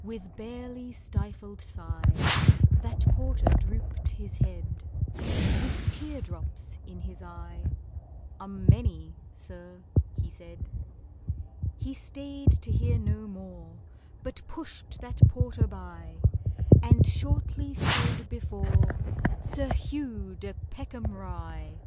With barely stifled sigh That porter drooped his head, With teardrops in his eye, "A many, sir," he said. He stayed to hear no more, But pushed that porter by, And shortly stood before SIR HUGH DE PECKHAM RYE.